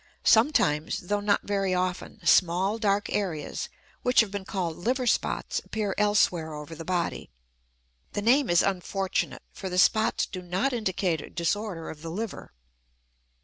Sometimes, though not very often, small dark areas, which have been called "liver spots," appear elsewhere over the body. The name is unfortunate, for the spots do not indicate a disorder of the liver.